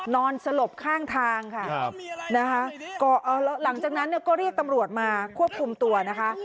นอนสลบข้างทางค่ะนะคะหลังจากนั้นเนี่ยก็เรียกตำรวจมาควบคุมตัวนะคะ